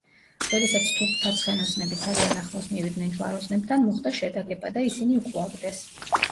როდესაც თურქთა ცხენოსნები ძალიან ახლოს მივიდნენ ჯვაროსნებთან, მოხდა შეტაკება და ისინი უკუაგდეს.